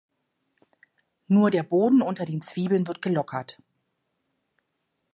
Nur der Boden unter den Zwiebeln wird gelockert.